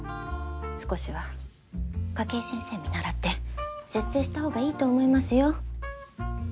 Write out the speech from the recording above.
少しは筧先生見習って節制したほうがいいと思いますよ。